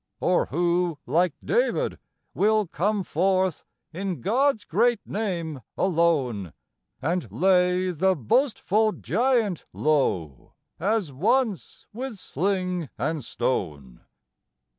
Or who, like David, will come forth in God's great name, alone, And lay the boastful giant low, as once with sling and stone?